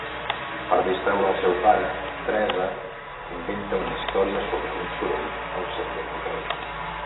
Per distreure el seu pare, Teresa inventa una història sobre un soroll al seu dormitori.